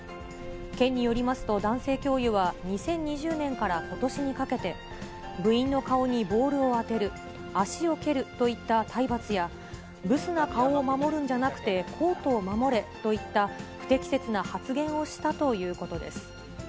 県によりますと、男性教諭は２０２０年からことしにかけて、部員の顔にボールを当てる、足を蹴るといった体罰や、ブスな顔を守るんじゃなくて、コートを守れといった、不適切な発言をしたということです。